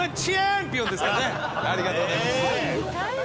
ありがとうございます。